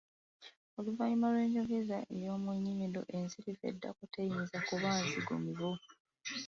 Oluvannyuma lw’enjogeza ey’omu nnyindo ensirifu eddako teyinza kuba nzigumivu